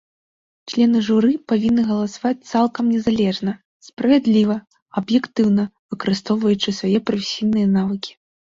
Члены журы павінны галасаваць цалкам незалежна, справядліва, аб'ектыўна, выкарыстоўваючы свае прафесійныя навыкі.